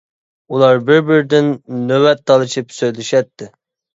ئۇلار بىر بىرىدىن نۆۋەت تالىشىپ سۆزلىشەتتى.